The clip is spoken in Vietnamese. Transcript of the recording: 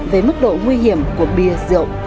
về mức độ nguy hiểm của bia rượu